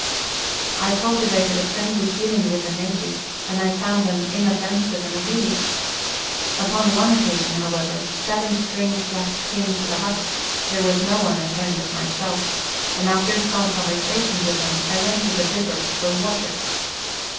I cultivated a friendly feeling with the natives, and I found them inoffensive and obedient. Upon one occasion, however, seven strange blacks came to the hut ; there was no one at home but myself, and after some conversation with them I went to the river for water.